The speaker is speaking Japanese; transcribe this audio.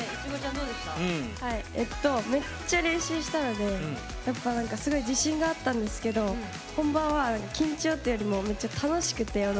めっちゃ練習したのですごい自信があったんですけど本番は緊張というより楽しくて。